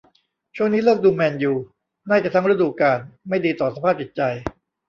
ช่วงนี้เลิกดูแมนยู น่าจะทั้งฤดูกาล ไม่ดีต่อสภาพจิตใจ